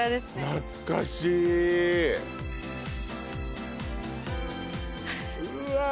懐かしいうわあ